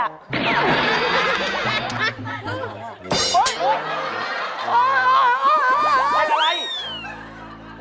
ว่ากล้าไหล